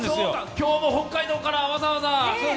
今日も北海道からわざわざ。